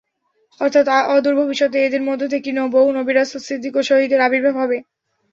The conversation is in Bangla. অর্থাৎ অদূর ভবিষ্যতে এদেরই মধ্য থেকে বহু নবী-রাসূল, সিদ্দীক ও শহীদের আবির্ভাব হবে।